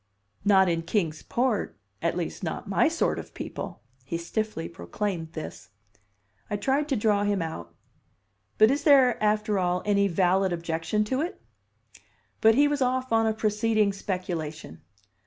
"Not in Kings Port! At least, not my sort of people!" He stiffly proclaimed this. I tried to draw him out. "But is there, after all, any valid objection to it?" But he was off on a preceding speculation.